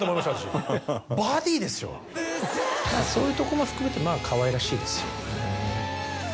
そういうとこも含めてまぁかわいらしいですよね。